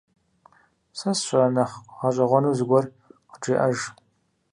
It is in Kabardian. Сэ сщӀэрэ, нэхъ гъэщӀэгъуэну зыгуэр къыджеӀэж.